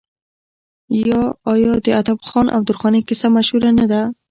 آیا د ادم خان او درخانۍ کیسه مشهوره نه ده؟